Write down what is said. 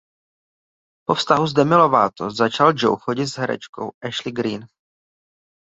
Po vztahu s Demi Lovato začal Joe chodit s herečkou Ashley Greene.